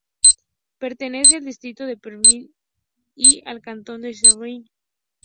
Pertenece al distrito de Perpiñán y al cantón de Saint-Paul-de-Fenouillet.